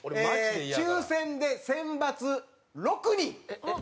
抽選で選抜６人！